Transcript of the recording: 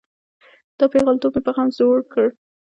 دا پیغلتوب مې په غم زوړ کړه.